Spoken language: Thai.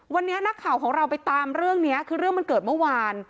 วันนี้นักข่าวของเราไปตามเรื่องนี้คือเรื่องมันเกิดเมื่อวาน